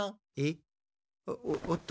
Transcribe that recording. えっ？